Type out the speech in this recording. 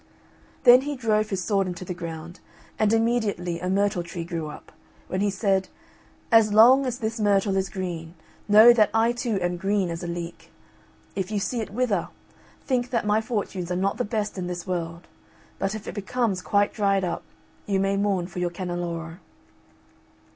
Then he drove his sword into the ground, and immediately a myrtle tree grew up, when he said, "As long as this myrtle is green, know that I too am green as a leek. If you see it wither, think that my fortunes are not the best in this world; but if it becomes quite dried up, you may mourn for your Canneloro."